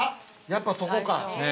◆やっぱそこか。